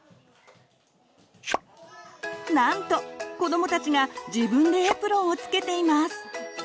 なんと子どもたちが自分でエプロンをつけています！